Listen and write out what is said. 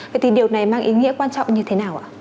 vậy thì điều này mang ý nghĩa quan trọng như thế nào ạ